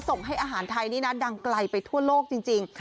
ส่งให้อาหารไทยนี่นะดังไกลไปทั่วโลกจริง